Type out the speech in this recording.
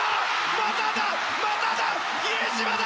まただ、まただ、比江島だ！